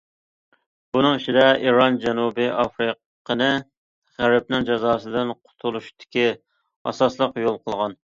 بۇنىڭ ئىچىدە ئىران جەنۇبىي ئافرىقىنى غەربنىڭ جازاسىدىن قۇتۇلۇشتىكى ئاساسلىق يول قىلغان.